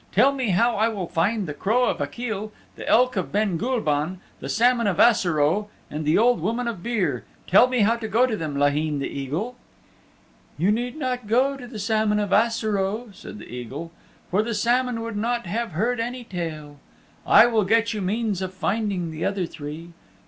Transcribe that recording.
"Tell me how I will find the Crow of Achill, the Elk of Ben Gulban, the Salmon of Assaroe and the Old Woman of Beare tell me how to go to them, Laheen the Eagle." "You need not go to the Salmon of Assaroe," said the Eagle, "for the Salmon would not have heard any tale. I will get you means of finding the other three.